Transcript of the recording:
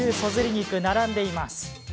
肉並んでいます。